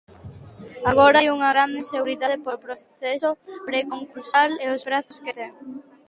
Agora hai unha grande inseguridade polo proceso preconcursal e os prazos que ten.